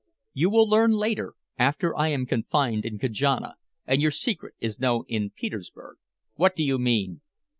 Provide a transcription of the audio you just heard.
"You will learn later, after I am confined in Kajana and your secret is known in Petersburg." "What do you mean?"